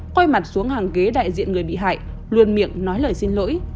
quay mặt xuống hàng ghế đại diện người bị hại luôn miệng nói lời xin lỗi